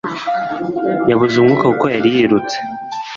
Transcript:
Yabuze umwuka kuko yari yirutse